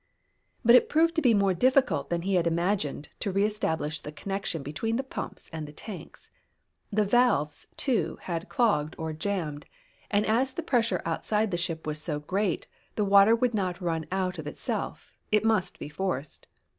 But it proved to be more difficult than he had imagined to re establish the connection between the pumps and the tanks. The valves, too, had clogged or jammed, and as the pressure outside the ship was so great, the water would not run out of itself. It must be forced.